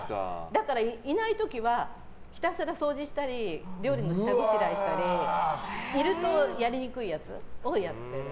だから、いない時はひたすら掃除したり料理の支度したりいるとやりにくいやつをやってる。